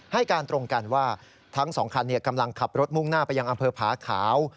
ให้การตรงกันว่าทั้งสองคันกำลังขับรถมุ่งหน้าไปยังอำเภอผาขาว